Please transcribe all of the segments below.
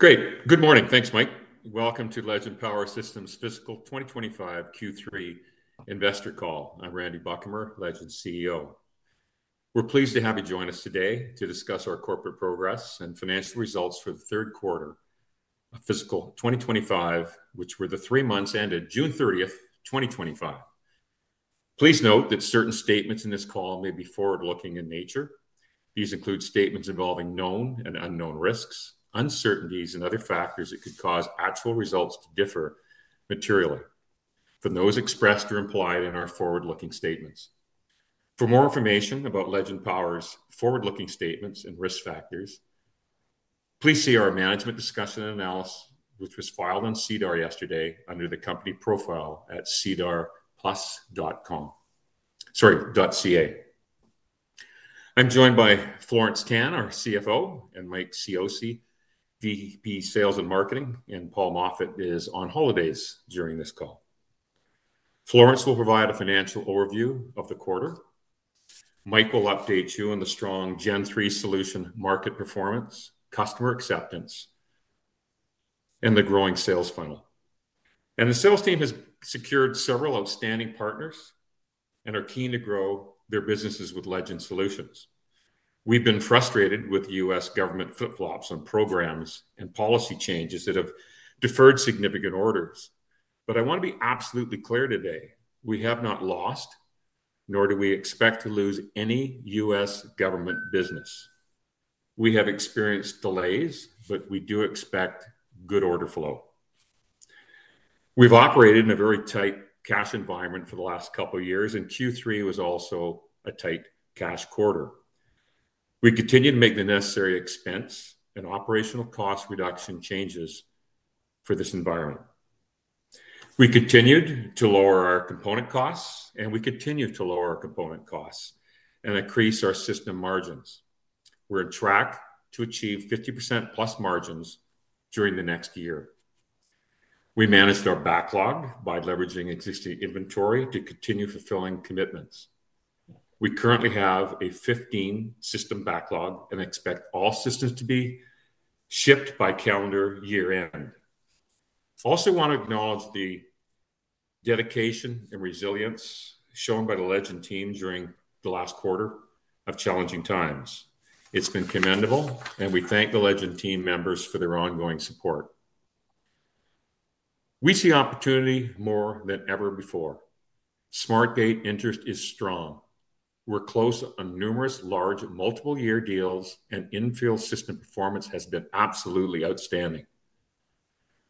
Okay, good morning. Thanks, Mike. Welcome to Legend Power Systems Fiscal 2025 Q3 Investor Call. I'm Randy Buchamer, Legend's CEO. We're pleased to have you join us today to discuss our corporate progress and financial results for the third quarter of Fiscal 2025, which were the three months ended June 30, 2025. Please note that certain statements in this call may be forward-looking in nature. These include statements involving known and unknown risks, uncertainties, and other factors that could cause actual results to differ materially from those expressed or implied in our forward-looking statements. For more information about Legend Power's forward-looking statements and risk factors, please see our management discussion and analysis, which was filed on SEDAR yesterday under the company profile at sedarplus.com. Sorry, .ca. I'm joined by Florence Tan, our CFO, and Mike Cioce, VP of Sales and Marketing, and Paul Moffat is on holidays during this call. Florence will provide a financial overview of the quarter. Mike will update you on the strong Gen 3 solution market performance, customer acceptance, and the growing sales funnel. The sales team has secured several outstanding partners and are keen to grow their businesses with Legend Solutions. We've been frustrated with the U.S. government flip-flops on programs and policy changes that have deferred significant orders. I want to be absolutely clear today. We have not lost, nor do we expect to lose any U.S. government business. We have experienced delays, but we do expect good order flow. We've operated in a very tight cash environment for the last couple of years, and Q3 was also a tight cash quarter. We continue to make the necessary expense and operational cost reduction changes for this environment. We continued to lower our component costs, and we continue to lower our component costs and increase our system margins. We're on track to achieve 50%+ margins during the next year. We managed our backlog by leveraging existing inventory to continue fulfilling commitments. We currently have a 15-system backlog and expect all systems to be shipped by calendar year-end. I also want to acknowledge the dedication and resilience shown by the Legend team during the last quarter of challenging times. It's been commendable, and we thank the Legend team members for their ongoing support. We see opportunity more than ever before. SmartGATE interest is strong. We're close on numerous large, multiple-year deals, and infill system performance has been absolutely outstanding.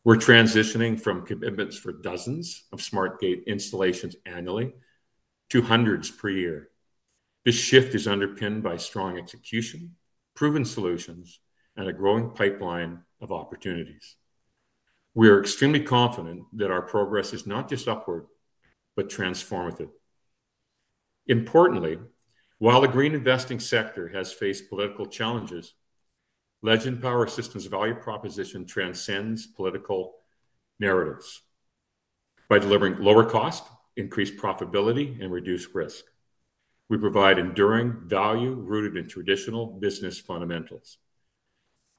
We're transitioning from commitments for dozens of SmartGATE installations annually to hundreds per year. This shift is underpinned by strong execution, proven solutions, and a growing pipeline of opportunities. We are extremely confident that our progress is not just upward, but transformative. Importantly, while the green investing sector has faced political challenges, Legend Power Systems' value proposition transcends political narratives. By delivering lower cost, increased profitability, and reduced risk, we provide enduring value rooted in traditional business fundamentals.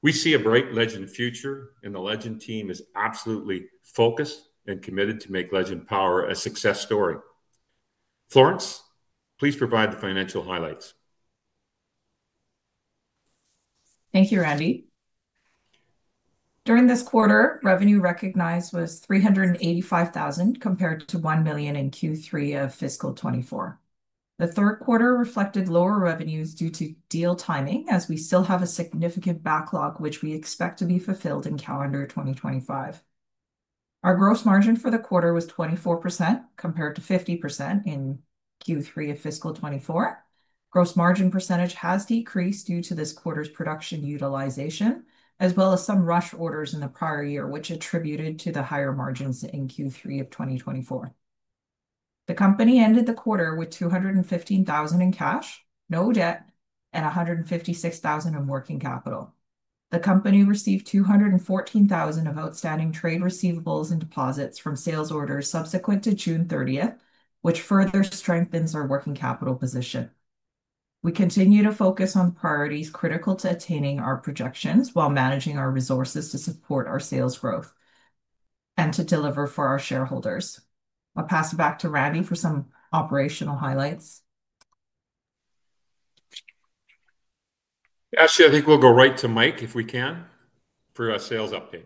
We see a bright Legend future, and the Legend team is absolutely focused and committed to make Legend Power a success story. Florence, please provide the financial highlights. Thank you, Randy. During this quarter, revenue recognized was $385,000 compared to $1 million in Q3 of Fiscal 2024. The third quarter reflected lower revenues due to deal timing, as we still have a significant backlog, which we expect to be fulfilled in calendar 2025. Our gross margin for the quarter was 24% compared to 50% in Q3 of Fiscal 2024. Gross margin percentage has decreased due to this quarter's production utilization, as well as some rush orders in the prior year, which attributed to the higher margins in Q3 of 2024. The company ended the quarter with $215,000 in cash, no debt, and $156,000 in working capital. The company received $214,000 of outstanding trade receivables and deposits from sales orders subsequent to June 30, which further strengthens our working capital position. We continue to focus on priorities critical to attaining our projections while managing our resources to support our sales growth and to deliver for our shareholders. I'll pass it back to Randy for some operational highlights. Yes, I think we'll go right to Mike if we can for our sales update.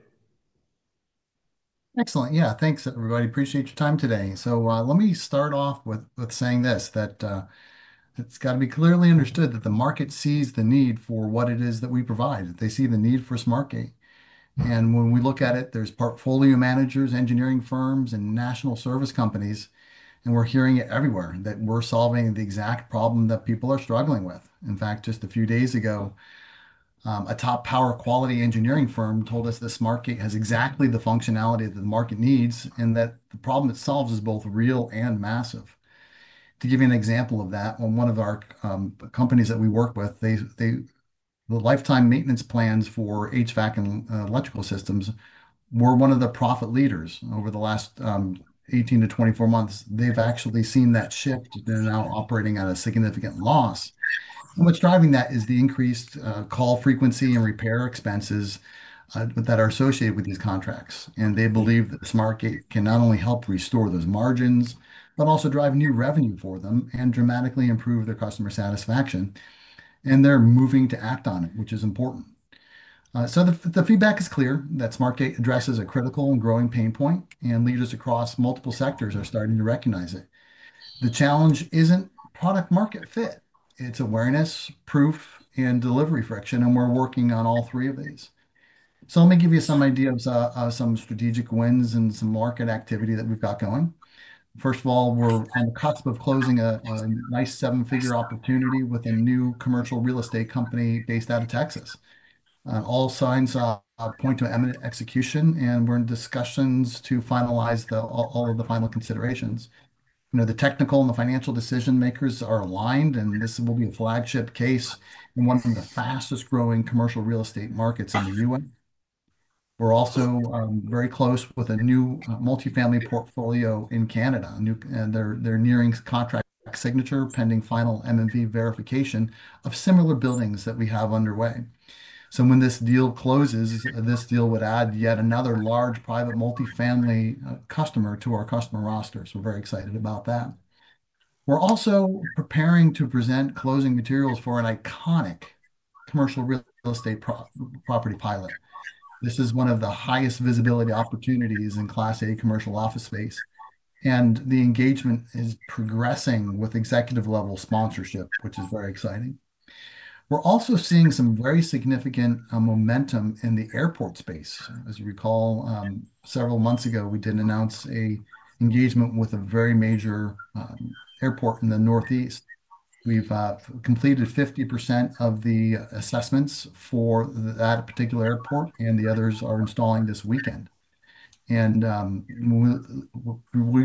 Excellent. Yeah, thanks, everybody. Appreciate your time today. Let me start off with saying this, that it's got to be clearly understood that the market sees the need for what it is that we provide, that they see the need for SmartGATE. When we look at it, there are portfolio managers, engineering firms, and national service companies, and we're hearing it everywhere that we're solving the exact problem that people are struggling with. In fact, just a few days ago, a top power quality engineering firm told us that SmartGATE has exactly the functionality that the market needs and that the problem it solves is both real and massive. To give you an example of that, one of our companies that we work with, the lifetime maintenance plans for HVAC and electrical systems were one of the profit leaders over the last 18 months-24 months. They've actually seen that shift. They're now operating at a significant loss. What's driving that is the increased call frequency and repair expenses that are associated with these contracts. They believe that SmartGATE can not only help restore those margins, but also drive new revenue for them and dramatically improve their customer satisfaction. They're moving to act on it, which is important. The feedback is clear that SmartGATE addresses a critical and growing pain point, and leaders across multiple sectors are starting to recognize it. The challenge isn't product-market fit. It's awareness, proof, and delivery friction, and we're working on all three of these. Let me give you some ideas of some strategic wins and some market activity that we've got going. First of all, we're on the cusp of closing a nice seven-figure opportunity with a new commercial real estate company based out of Texas. All signs point to imminent execution, and we're in discussions to finalize all of the final considerations. The technical and the financial decision makers are aligned, and this will be a flagship case in one of the fastest growing commercial real estate markets in the U.S. We're also very close with a new multifamily portfolio in Canada, and they're nearing contract signature pending final M&V verification of similar buildings that we have underway. When this deal closes, this deal would add yet another large private multifamily customer to our customer roster. We're very excited about that. We're also preparing to present closing materials for an iconic commercial real estate property pilot. This is one of the highest visibility opportunities in Class A commercial office space, and the engagement is progressing with executive-level sponsorship, which is very exciting. We're also seeing some very significant momentum in the airport space. As you recall, several months ago, we did announce an engagement with a very major airport in the Northeast. We've completed 50% of the assessments for that particular airport, and the others are installing this weekend. We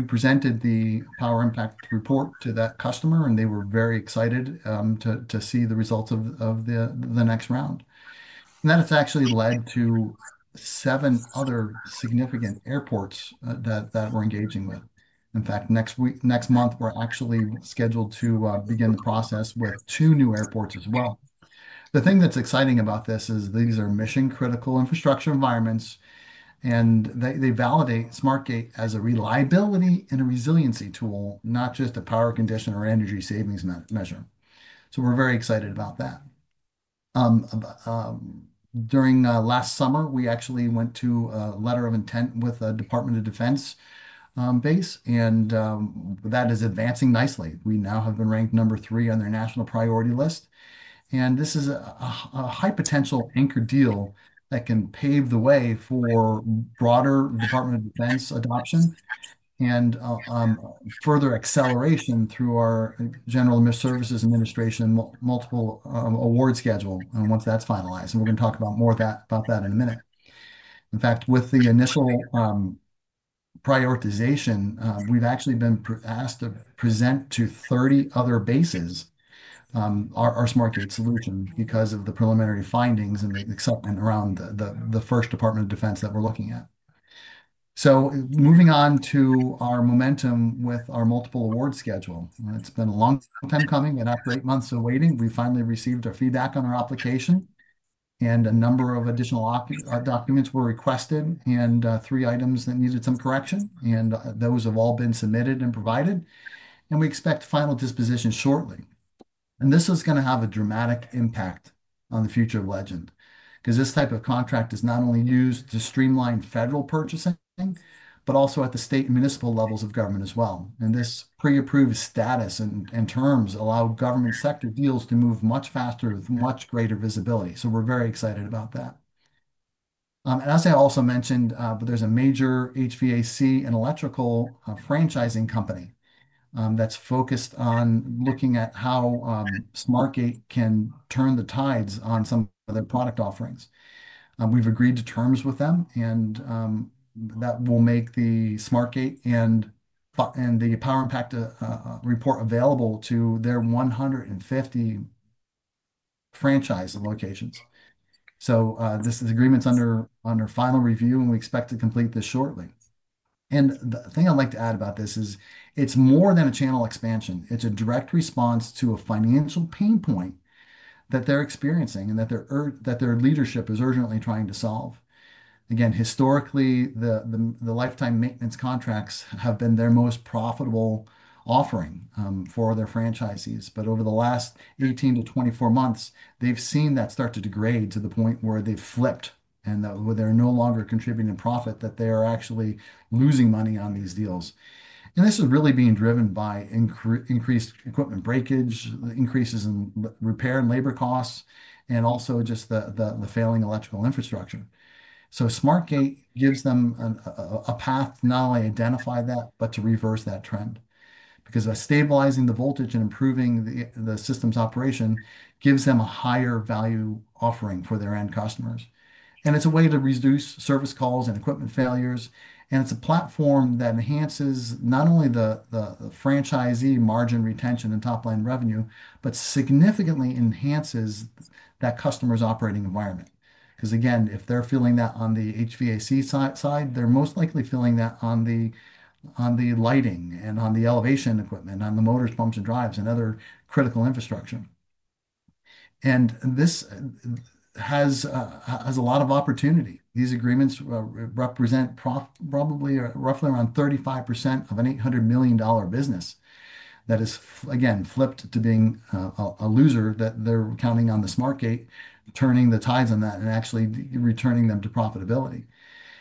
presented the power impact report to that customer, and they were very excited to see the results of the next round. That has actually led to seven other significant airports that we're engaging with. In fact, next month, we're actually scheduled to begin the process with two new airports as well. The thing that's exciting about this is these are mission-critical infrastructure environments, and they validate SmartGATE as a reliability and a resiliency tool, not just a power conditioner or energy savings measure. We're very excited about that. During last summer, we actually went to a letter of intent with the Department of Defense base, and that is advancing nicely. We now have been ranked number three on their national priority list. This is a high-potential anchor deal that can pave the way for broader Department of Defense adoption and further acceleration through our General Services Administration multiple award schedule. Once that's finalized, we're going to talk about more of that in a minute. In fact, with the initial prioritization, we've actually been asked to present to 30 other bases our SmartGATE solution because of the preliminary findings and the acceptance around the first Department of Defense that we're looking at. Moving on to our momentum with our multiple award schedule, it's been a long time coming and after eight months of waiting, we finally received our feedback on our application, and a number of additional documents were requested and three items that needed some correction, and those have all been submitted and provided. We expect final disposition shortly. This is going to have a dramatic impact on the future of Legend because this type of contract is not only used to streamline federal purchasing, but also at the state and municipal levels of government as well. This pre-approved status and terms allow government sector deals to move much faster with much greater visibility. We're very excited about that. As I also mentioned, there's a major HVAC and electrical franchising company that's focused on looking at how SmartGATE can turn the tides on some of their product offerings. We've agreed to terms with them, and that will make the SmartGATE and the power impact report available to their 150 franchise locations. This agreement's under final review, and we expect to complete this shortly. The thing I'd like to add about this is it's more than a channel expansion. It's a direct response to a financial pain point that they're experiencing and that their leadership is urgently trying to solve. Historically, the lifetime maintenance contracts have been their most profitable offering for their franchisees. Over the last 18 months-24 months, they've seen that start to degrade to the point where they've flipped and they're no longer contributing profit, that they are actually losing money on these deals. This is really being driven by increased equipment breakage, increases in repair and labor costs, and also just the failing electrical infrastructure. SmartGATE gives them a path to not only identify that, but to reverse that trend because stabilizing the voltage and improving the system's operation gives them a higher value offering for their end customers. It's a way to reduce service calls and equipment failures. It's a platform that enhances not only the franchisee margin retention and top line revenue, but significantly enhances that customer's operating environment. If they're feeling that on the HVAC side, they're most likely feeling that on the lighting and on the elevation equipment, on the motors, pumps, and drives, and other critical infrastructure. This has a lot of opportunity. These agreements represent probably roughly around 35% of an $800 million business that is, again, flipped to being a loser that they're counting on the SmartGATE turning the tides on that and actually returning them to profitability.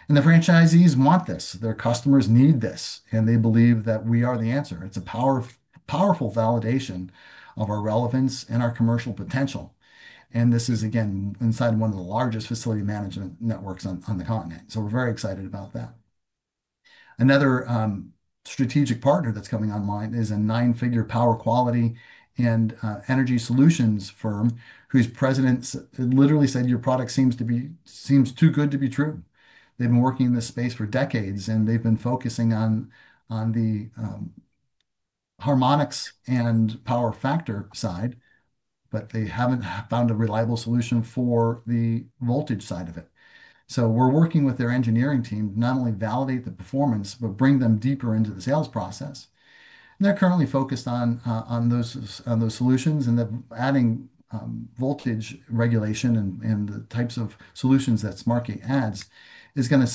The franchisees want this. Their customers need this, and they believe that we are the answer. It's a powerful validation of our relevance and our commercial potential. This is, again, inside one of the largest facility management networks on the continent. We're very excited about that. Another strategic partner that's coming online is a nine-figure power quality and energy solutions firm whose president literally said, "Your product seems to be too good to be true." They've been working in this space for decades, and they've been focusing on the harmonics and power factor side, but they haven't found a reliable solution for the voltage side of it. We're working with their engineering team to not only validate the performance, but bring them deeper into the sales process. They're currently focused on those solutions, and they're adding voltage regulation, and the types of solutions that SmartGATE adds is going to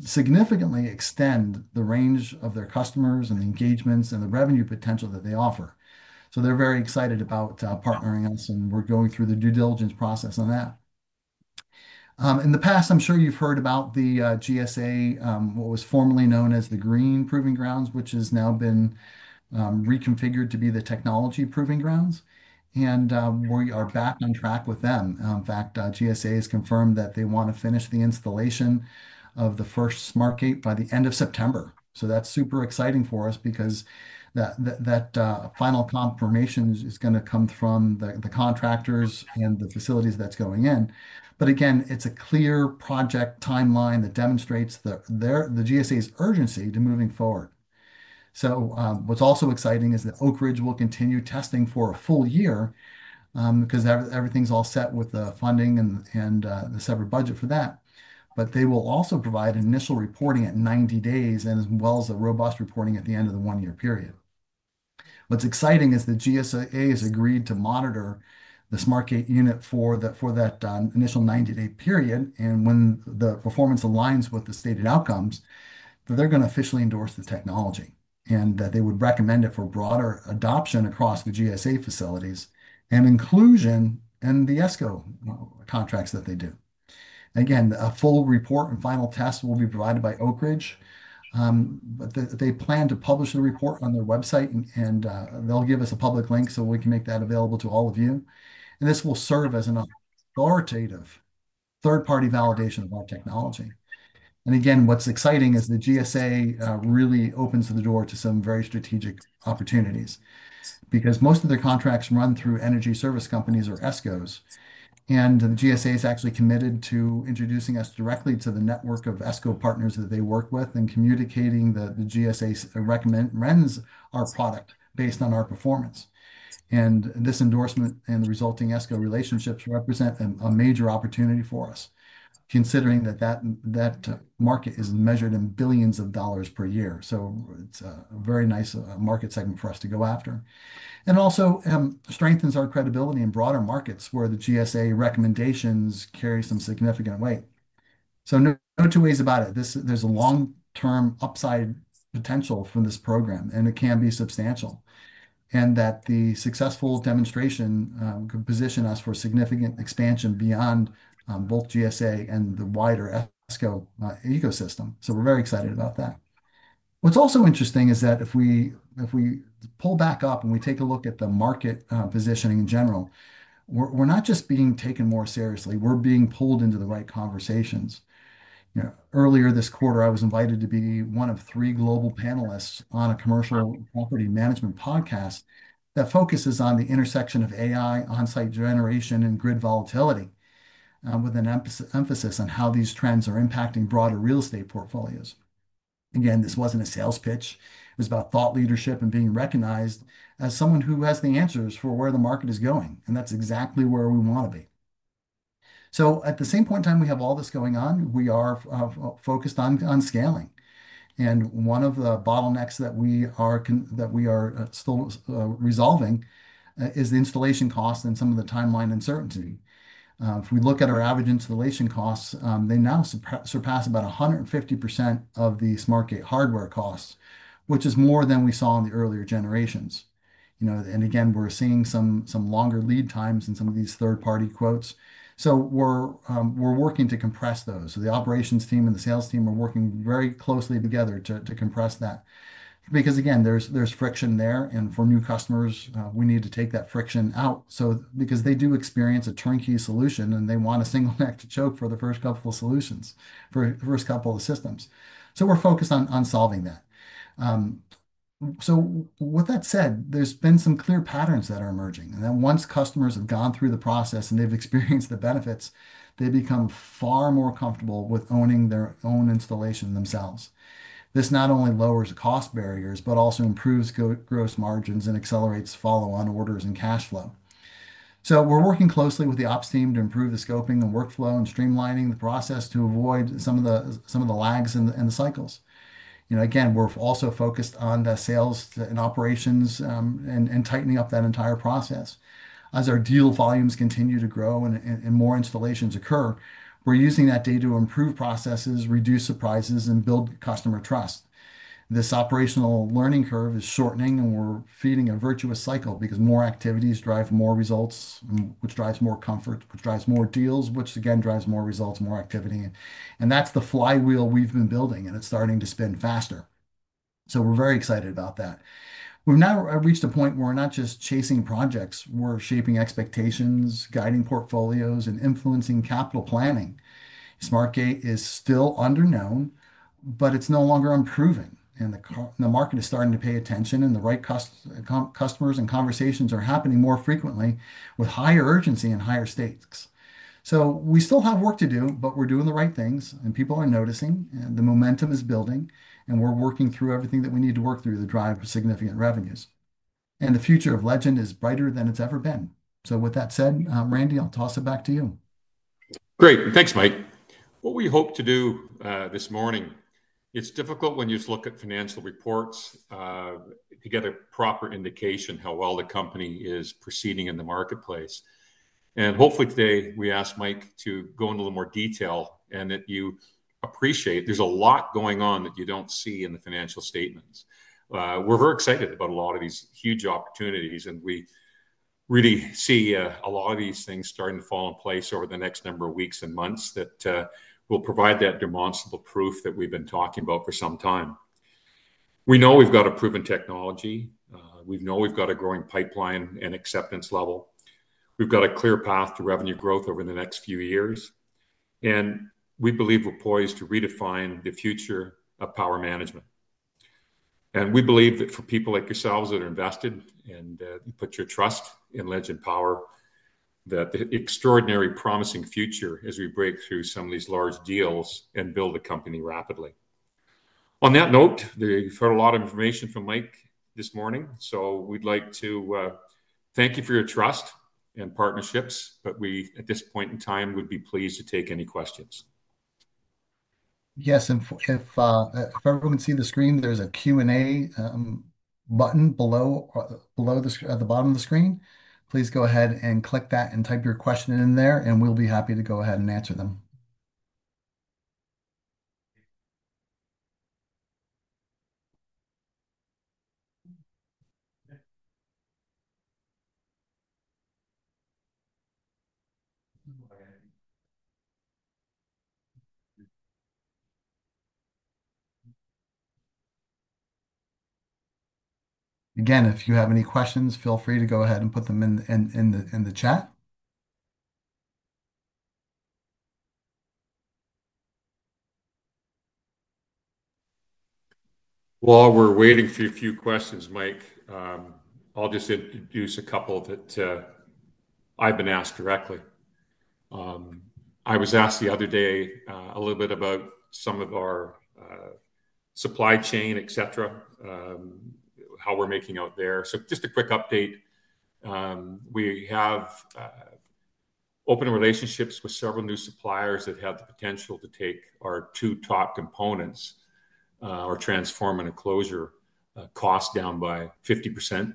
significantly extend the range of their customers and the engagements and the revenue potential that they offer. They're very excited about partnering with us, and we're going through the due diligence process on that. In the past, I'm sure you've heard about the GSA, what was formerly known as the Green Proving Grounds, which has now been reconfigured to be the Technology Proving Grounds. We are back on track with them. In fact, GSA has confirmed that they want to finish the installation of the first SmartGATE by the end of September. That's super exciting for us because that final confirmation is going to come from the contractors and the facilities that's going in. Again, it's a clear project timeline that demonstrates the GSA's urgency to moving forward. What's also exciting is that Oak Ridge will continue testing for a full year because everything's all set with the funding and the separate budget for that. They will also provide initial reporting at 90 days, as well as a robust reporting at the end of the one-year period. What's exciting is that GSA has agreed to monitor the SmartGATE unit for that initial 90-day period, and when the performance aligns with the stated outcomes, they're going to officially endorse the technology and that they would recommend it for broader adoption across the GSA facilities and inclusion in the ESCO contracts that they do. A full report and final test will be provided by Oak Ridge, but they plan to publish the report on their website, and they'll give us a public link so we can make that available to all of you. This will serve as an authoritative third-party validation of our technology. What's exciting is the GSA really opens the door to some very strategic opportunities because most of their contracts run through energy service companies or ESCOs, and the GSA is actually committed to introducing us directly to the network of ESCO partners that they work with and communicating that the GSA recommends our product based on our performance. This endorsement and the resulting ESCO relationships represent a major opportunity for us, considering that market is measured in billions of dollars per year. It's a very nice market segment for us to go after. It also strengthens our credibility in broader markets where the GSA recommendations carry some significant weight. There is a long-term upside potential for this program, and it can be substantial, and the successful demonstration could position us for significant expansion beyond both GSA and the wider ESCO ecosystem. We're very excited about that. What's also interesting is that if we pull back up and we take a look at the market positioning in general, we're not just being taken more seriously. We're being pulled into the right conversations. Earlier this quarter, I was invited to be one of three global panelists on a commercial property management podcast that focuses on the intersection of AI, onsite generation, and grid volatility, with an emphasis on how these trends are impacting broader real estate portfolios. This wasn't a sales pitch. It was about thought leadership and being recognized as someone who has the answers for where the market is going, and that's exactly where we want to be. At the same point in time we have all this going on, we are focused on scaling. One of the bottlenecks that we are still resolving is the installation costs and some of the timeline uncertainty. If we look at our average installation costs, they now surpass about 150% of the SmartGATE hardware costs, which is more than we saw in the earlier generations. We're seeing some longer lead times in some of these third-party quotes. We're working to compress those. The operations team and the sales team are working very closely together to compress that because there's friction there, and for new customers, we need to take that friction out. They do experience a turnkey solution, and they want a single neck to choke for the first couple of solutions, for the first couple of systems. We're focused on solving that. With that said, there have been some clear patterns that are emerging and that once customers have gone through the process and they've experienced the benefits, they become far more comfortable with owning their own installation themselves. This not only lowers cost barriers, but also improves gross margins and accelerates follow-on orders and cash flow. We're working closely with the ops team to improve the scoping and workflow and streamlining the process to avoid some of the lags in the cycles. Again, we're also focused on the sales and operations and tightening up that entire process. As our deal volumes continue to grow and more installations occur, we're using that data to improve processes, reduce surprises, and build customer trust. This operational learning curve is shortening, and we're feeding a virtuous cycle because more activities drive more results, which drives more comfort, which drives more deals, which again drives more results, more activity. That's the flywheel we've been building, and it's starting to spin faster. We're very excited about that. We've now reached a point where we're not just chasing projects. We're shaping expectations, guiding portfolios, and influencing capital planning. SmartGATE is still under known, but it's no longer unproven, and the market is starting to pay attention, and the right customers and conversations are happening more frequently with higher urgency and higher stakes. We still have work to do, but we're doing the right things, and people are noticing, and the momentum is building, and we're working through everything that we need to work through to drive significant revenues. The future of Legend is brighter than it's ever been. With that said, Randy, I'll toss it back to you. Great. Thanks, Mike. What we hope to do this morning, it's difficult when you just look at financial reports to get a proper indication of how well the company is proceeding in the marketplace. Hopefully today we ask Mike to go into a little more detail and that you appreciate there's a lot going on that you don't see in the financial statements. We're very excited about a lot of these huge opportunities, and we really see a lot of these things starting to fall in place over the next number of weeks and months that will provide that demonstrable proof that we've been talking about for some time. We know we've got a proven technology. We know we've got a growing pipeline and acceptance level. We've got a clear path to revenue growth over the next few years. We believe we're poised to redefine the future of power management. We believe that for people like yourselves that are invested and put your trust in Legend Power, that the extraordinary promising future as we break through some of these large deals and build the company rapidly. On that note, we've heard a lot of information from Mike this morning. We would like to thank you for your trust and partnerships, but we at this point in time would be pleased to take any questions. Yes, and if everyone can see the screen, there's a Q&A button below at the bottom of the screen. Please go ahead and click that and type your question in there, and we'll be happy to go ahead and answer them. Again, if you have any questions, feel free to go ahead and put them in the chat. While we're waiting for a few questions, Mike, I'll just introduce a couple that I've been asked directly. I was asked the other day a little bit about some of our supply chain, etc., how we're making out there. Just a quick update. We have open relationships with several new suppliers that have the potential to take our two top components or transform an enclosure cost down by 50%.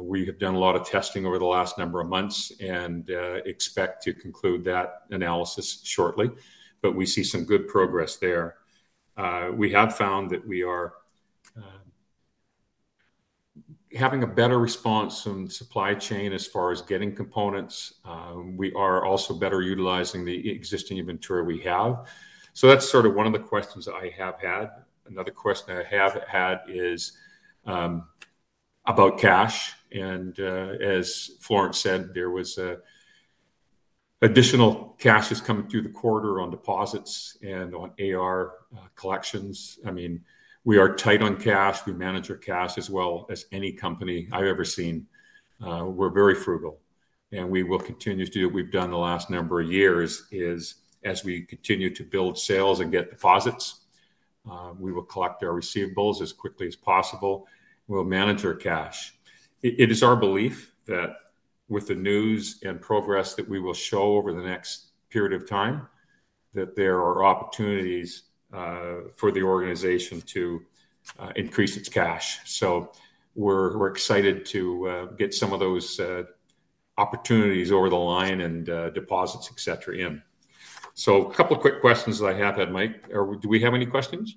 We have done a lot of testing over the last number of months and expect to conclude that analysis shortly. We see some good progress there. We have found that we are having a better response in supply chain as far as getting components. We are also better utilizing the existing inventory we have. That's sort of one of the questions that I have had. Another question I have had is about cash. As Florence said, there was additional cash that's coming through the quarter on deposits and on AR collections. We are tight on cash. We manage our cash as well as any company I've ever seen. We're very frugal. We will continue to do what we've done the last number of years as we continue to build sales and get deposits. We will collect our receivables as quickly as possible. We'll manage our cash. It is our belief that with the news and progress that we will show over the next period of time, there are opportunities for the organization to increase its cash. We're excited to get some of those opportunities over the line and deposits, etc., in. A couple of quick questions that I have had, Mike, or do we have any questions?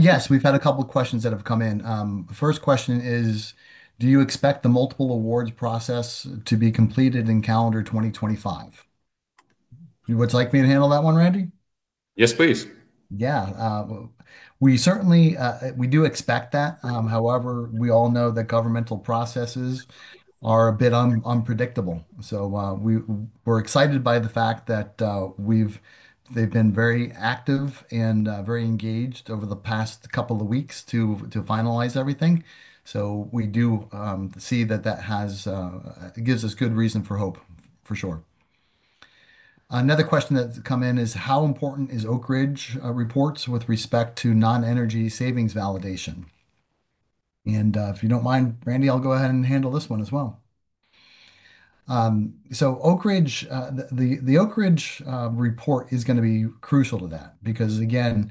Yes, we've had a couple of questions that have come in. The first question is, do you expect the multiple award schedule process to be completed in calendar 2025? Would you like me to handle that one, Randy? Yes, please. Yeah, we certainly do expect that. However, we all know that governmental processes are a bit unpredictable. We're excited by the fact that they've been very active and very engaged over the past couple of weeks to finalize everything. We do see that that gives us good reason for hope, for sure. Another question that's come in is, how important is Oak Ridge reports with respect to non-energy savings validation? If you don't mind, Randy, I'll go ahead and handle this one as well. The Oak Ridge report is going to be crucial to that because, again,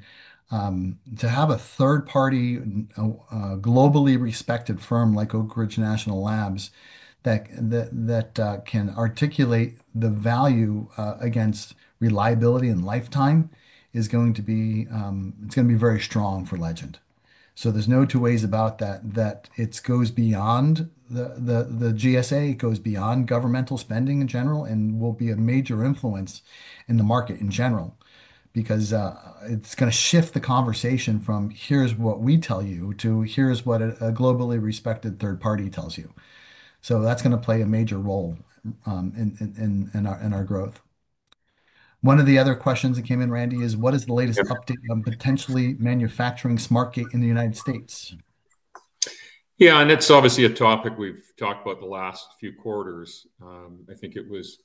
to have a third-party globally respected firm like Oak Ridge National Labs that can articulate the value against reliability and lifetime is going to be very strong for Legend. There's no two ways about that. It goes beyond the GSA. It goes beyond governmental spending in general and will be a major influence in the market in general because it's going to shift the conversation from, "Here's what we tell you," to, "Here's what a globally respected third party tells you." That's going to play a major role in our growth. One of the other questions that came in, Randy, is, what is the latest update on potentially manufacturing SmartGATE in the United States? Yeah, and it's obviously a topic we've talked about the last few quarters. I think it was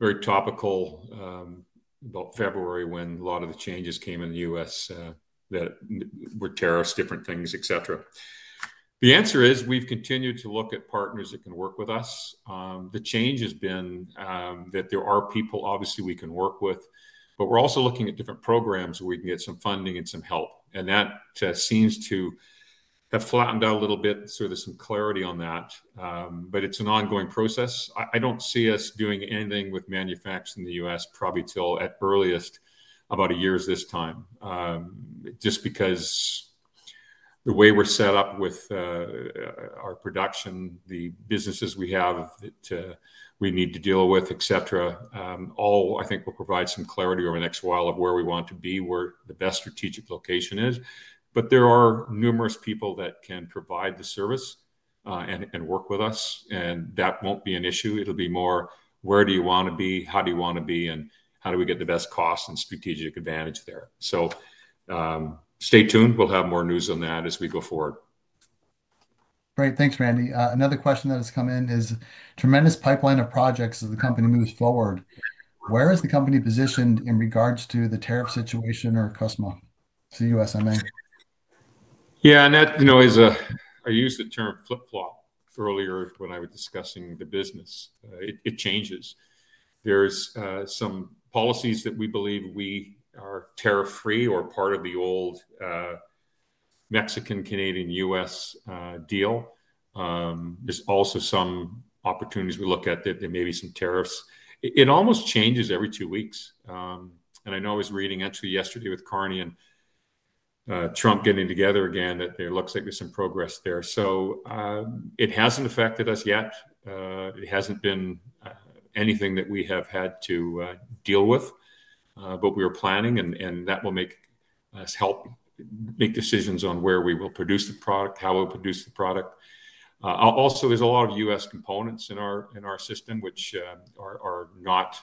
very topical about February when a lot of the changes came in the U.S. that were tariffs, different things, etc. The answer is we've continued to look at partners that can work with us. The change has been that there are people obviously we can work with, but we're also looking at different programs where we can get some funding and some help. That seems to have flattened out a little bit, so there's some clarity on that. It's an ongoing process. I don't see us doing anything with manufacturers in the U.S., probably till at earliest about a year's this time, just because the way we're set up with our production, the businesses we have that we need to deal with, etc., all I think will provide some clarity over the next while of where we want to be, where the best strategic location is. There are numerous people that can provide the service and work with us, and that won't be an issue. It will be more, where do you want to be, how do you want to be, and how do we get the best cost and strategic advantage there. Stay tuned. We'll have more news on that as we go forward. Great. Thanks, Randy. Another question that has come in is, tremendous pipeline of projects as the company moves forward. Where is the company positioned in regards to the tariff situation or cusma? The U.S., I mean. Yeah, and you know, I used the term flip-flop earlier when I was discussing the business. It changes. There are some policies that we believe we are tariff-free or part of the old Mexican-Canadian-U.S. deal. There are also some opportunities we look at that there may be some tariffs. It almost changes every two weeks. I know I was reading actually yesterday with Carney and Trump getting together again that it looks like there's some progress there. It hasn't affected us yet. It hasn't been anything that we have had to deal with, but we are planning, and that will help make decisions on where we will produce the product, how we'll produce the product. Also, there are a lot of U.S. components in our system which are not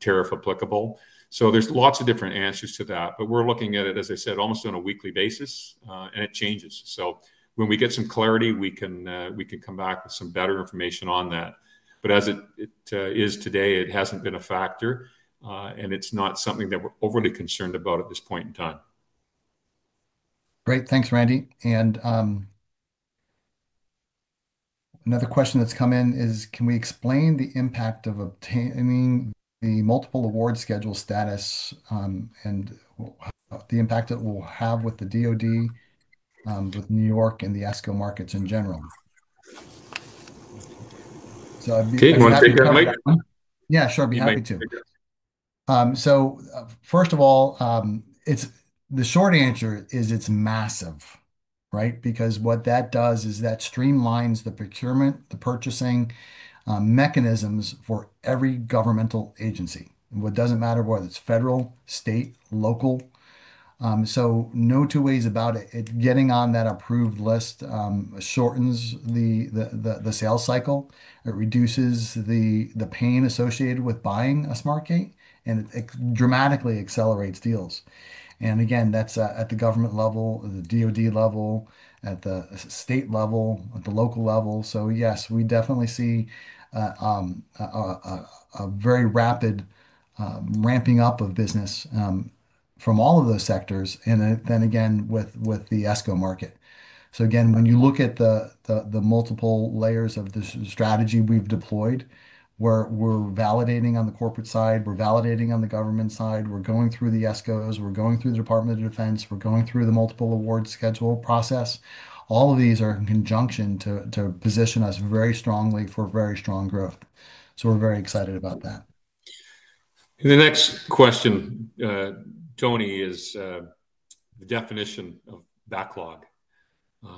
tariff-applicable. There are lots of different answers to that, but we're looking at it, as I said, almost on a weekly basis, and it changes. When we get some clarity, we can come back with some better information on that. As it is today, it hasn't been a factor, and it's not something that we're overly concerned about at this point in time. Great. Thanks, Randy. Another question that's come in is, can we explain the impact of obtaining the multiple award schedule status and the impact it will have with the DoD, with New York, and the ESCO markets in general? So you want to take, Mike? Yeah, sure. I'd be happy to. First of all, the short answer is it's massive, right? What that does is that streamlines the procurement, the purchasing mechanisms for every governmental agency. It doesn't matter whether it's federal, state, or local. No two ways about it. Getting on that approved list shortens the sales cycle. It reduces the pain associated with buying a SmartGATE, and it dramatically accelerates deals. That's at the government level, the Department of Defense level, at the state level, at the local level. Yes, we definitely see a very rapid ramping up of business from all of those sectors, and then again with the ESCO market. When you look at the multiple layers of this strategy we've deployed, we're validating on the corporate side, we're validating on the government side, we're going through the ESCOs, we're going through the Department of Defense, we're going through the multiple award schedule process. All of these are in conjunction to position us very strongly for very strong growth. We're very excited about that. The next question, Tony, is the definition of backlog.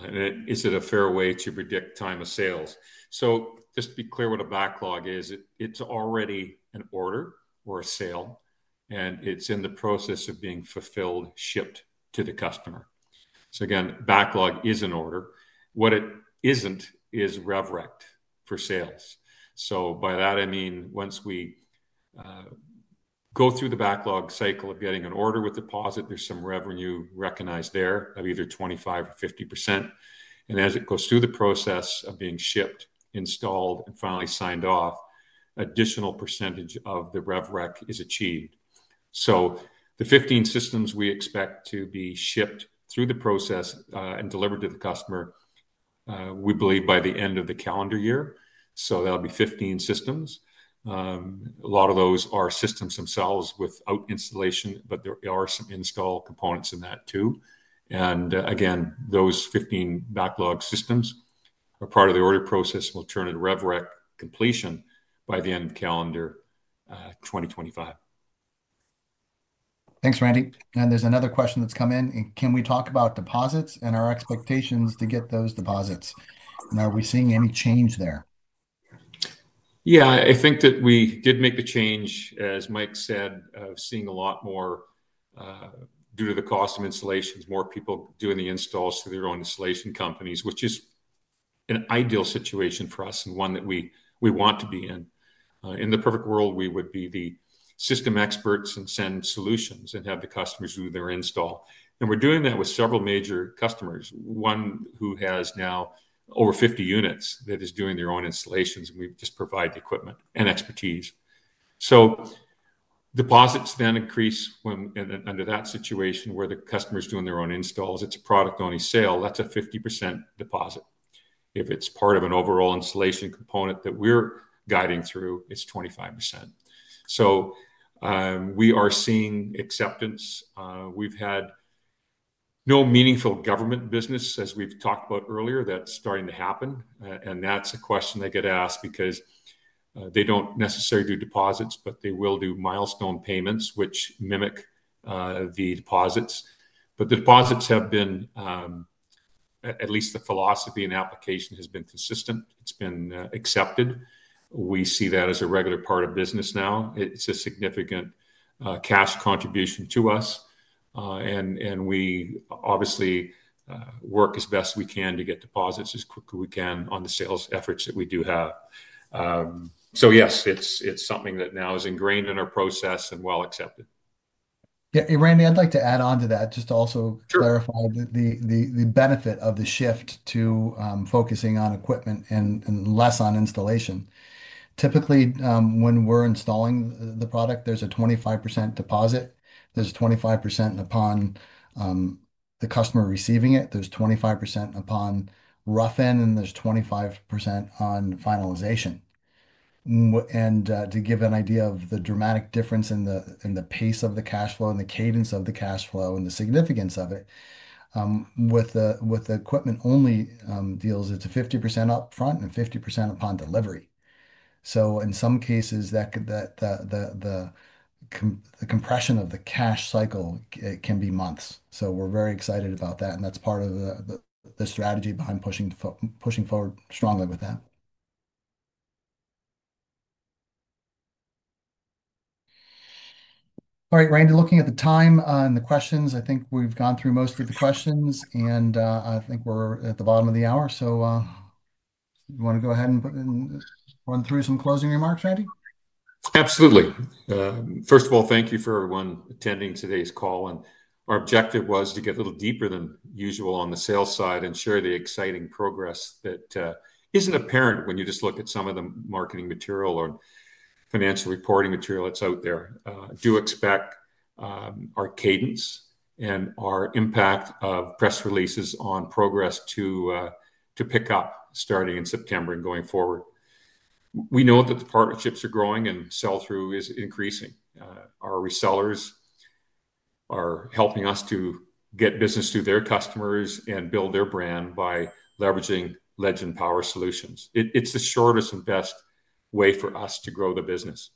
Is it a fair way to predict time of sales? Just to be clear, what a backlog is, it's already an order or a sale, and it's in the process of being fulfilled, shipped to the customer. Backlog is an order. What it isn't is rev rec for sales. By that, I mean once we go through the backlog cycle of getting an order with deposit, there's some revenue recognized there of either 25% or 50%. As it goes through the process of being shipped, installed, and finally signed off, an additional percentage of the rev rec is achieved. The 15 systems we expect to be shipped through the process and delivered to the customer, we believe, by the end of the calendar year. That'll be 15 systems. A lot of those are systems themselves without installation, but there are some install components in that too. Those 15 backlog systems are part of the order process and will turn into rev rec completion by the end of calendar 2025. Thanks, Randy. There's another question that's come in. Can we talk about deposits and our expectations to get those deposits? Are we seeing any change there? Yeah, I think that we did make the change, as Mike said, of seeing a lot more due to the cost of installations, more people doing the installs for their own installation companies, which is an ideal situation for us and one that we want to be in. In the perfect world, we would be the system experts and send solutions and have the customers do their install. We're doing that with several major customers, one who has now over 50 units that is doing their own installations, and we just provide the equipment and expertise. Deposits then increase when under that situation where the customer's doing their own installs. It's a product-only sale. That's a 50% deposit. If it's part of an overall installation component that we're guiding through, it's 25%. We are seeing acceptance. We've had no meaningful government business, as we've talked about earlier, that's starting to happen. That's a question they get asked because they don't necessarily do deposits, but they will do milestone payments, which mimic the deposits. The deposits have been, at least the philosophy and application has been consistent. It's been accepted. We see that as a regular part of business now. It's a significant cash contribution to us. We obviously work as best we can to get deposits as quickly as we can on the sales efforts that we do have. Yes, it's something that now is ingrained in our process and well accepted. Yeah, Randy, I'd like to add on to that, just to also clarify the benefit of the shift to focusing on equipment and less on installation. Typically, when we're installing the product, there's a 25% deposit, 25% upon the customer receiving it, 25% upon rough-in, and 25% on finalization. To give an idea of the dramatic difference in the pace of the cash flow and the cadence of the cash flow and the significance of it, with the equipment-only deals, it's 50% upfront and 50% upon delivery. In some cases, the compression of the cash cycle can be months. We're very excited about that, and that's part of the strategy behind pushing forward strongly with that. All right, Randy, looking at the time and the questions, I think we've gone through most of the questions, and I think we're at the bottom of the hour. You want to go ahead and run through some closing remarks, Randy? Absolutely. First of all, thank you for everyone attending today's call. Our objective was to get a little deeper than usual on the sales side and share the exciting progress that isn't apparent when you just look at some of the marketing material or financial reporting material that's out there. I do expect our cadence and our impact of press releases on progress to pick up starting in September and going forward. We know that the partnerships are growing and sell-through is increasing. Our resellers are helping us to get business to their customers and build their brand by leveraging Legend Power Solutions. It's the shortest and best way for us to grow the business.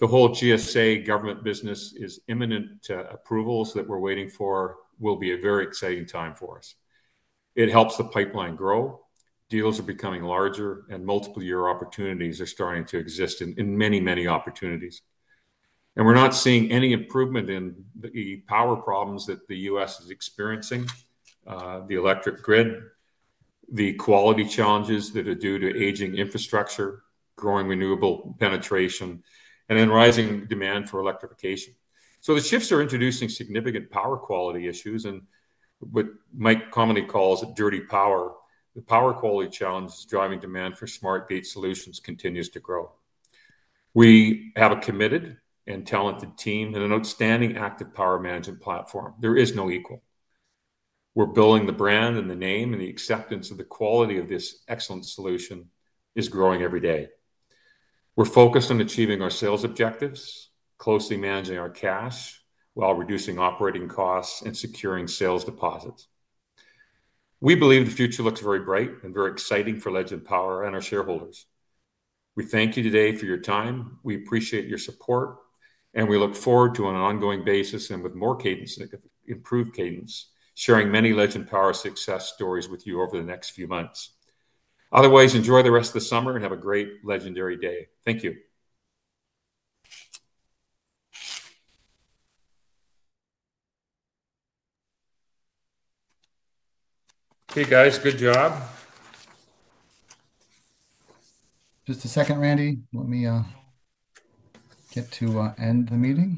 The whole GSA government business is imminent to approvals that we're waiting for. It will be a very exciting time for us. It helps the pipeline grow. Deals are becoming larger, and multiple-year opportunities are starting to exist in many, many opportunities. We're not seeing any improvement in the power problems that the U.S. is experiencing, the electric grid, the quality challenges that are due to aging infrastructure, growing renewable penetration, and then rising demand for electrification. The shifts are introducing significant power quality issues, and what Mike commonly calls dirty power, the power quality challenge driving demand for SmartGATE solutions continues to grow. We have a committed and talented team and an outstanding Active Power Management platform. There is no equal. We're building the brand and the name, and the acceptance of the quality of this excellent solution is growing every day. We're focused on achieving our sales objectives, closely managing our cash while reducing operating costs and securing sales deposits. We believe the future looks very bright and very exciting for Legend Power and our shareholders. We thank you today for your time. We appreciate your support, and we look forward to on an ongoing basis and with more improved cadence, sharing many Legend Power success stories with you over the next few months. Otherwise, enjoy the rest of the summer and have a great legendary day. Thank you. Hey guys, good job. Just a second, Randy. Let me get to end the meeting.